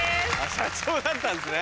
社長だったんですね。